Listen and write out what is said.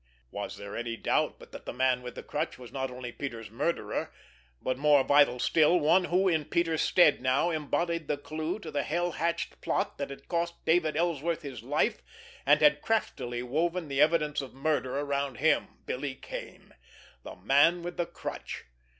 Was there any doubt but that the Man with the Crutch was not only Peters' murderer, but, more vital still, one who, in Peters' stead now, embodied the clue to the hell hatched plot that had cost David Ellsworth his life, and had craftily woven the evidence of murder around him, Billy Kane? The Man with the Crutch!